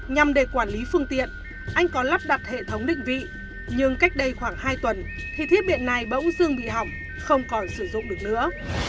nhằm để quản lý phương tiện anh có lắp đặt hệ thống định vị nhưng cách đây khoảng hai tuần thì thiết bị này bỗng dưng bị hỏng không còn sử dụng được nữa